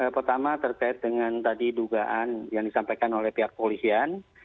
pertama terkait dengan tadi dugaan yang disampaikan oleh pihak polisian